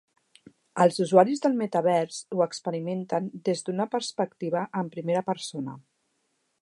Els usuaris del metavers ho experimenten des d'una perspectiva en primera persona.